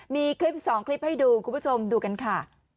มีคลิป๒คลิปให้ดูคุณผู้ชมดูกันค่ะ